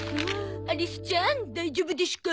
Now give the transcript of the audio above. アリスちゃん大丈夫でしゅか？